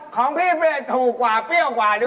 ของพี่ถูกกว่าเปรี้ยวกว่าด้วย